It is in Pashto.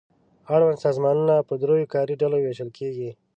اړوند سازمانونه په دریو کاري ډلو وېشل کیږي.